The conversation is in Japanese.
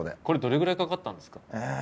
これどれぐらいかかったんですか？